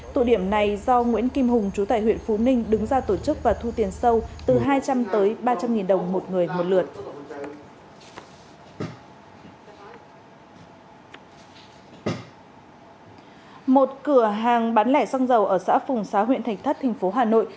tụ điểm này do nguyễn kim hùng chú tại huyện phú ninh đứng ra tổ chức và thu tiền sâu từ hai trăm linh tới ba trăm linh nghìn đồng một người một lượt